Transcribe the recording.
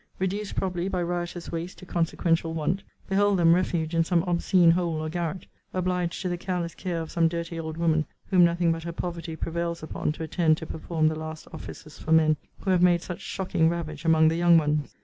Reduced, probably, by riotous waste to consequential want, behold them refuged in some obscene hole or garret; obliged to the careless care of some dirty old woman, whom nothing but her poverty prevails upon to attend to perform the last offices for men, who have made such shocking ravage among the young ones.